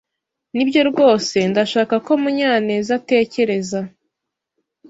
Nibyo rwose ndashaka ko Munyanezatekereza.